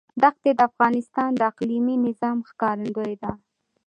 دښتې د افغانستان د اقلیمي نظام ښکارندوی ده.